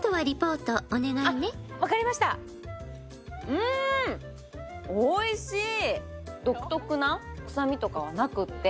うん、おいしい。